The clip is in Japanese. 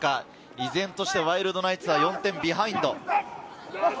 依然としてワイルドナイツは４点ビハインド。